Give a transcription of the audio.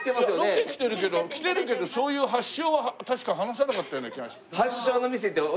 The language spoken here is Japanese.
ロケ来てるけど来てるけどそういう発祥は確か話さなかったような気が。